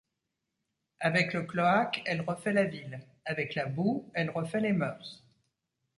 Avec le cloaque elle refait la ville ; avec la boue elle refait les mœurs.